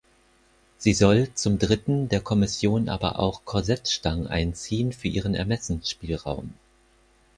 Sie soll zum Dritten der Kommission aber auch Korsettstangen einziehen für ihren Ermessensspielraum.